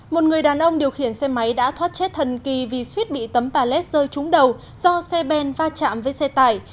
một người đàn ông điều khiển xe máy đã thoát chết thần kỳ vì suýt bị tấm bà lét rơi trúng đầu do xe ben va chạm với xe tải